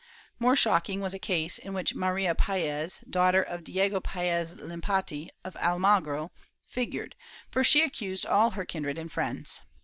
^ More shocking was a case in which Maria Paez, daugh ter of Diego Paez Limpati of Almagro, figured, for she accused all her kindred and friends.